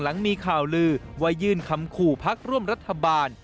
หลังมีข่าวลือว่ายื่นคำขู่พักร่วมรัฐบาล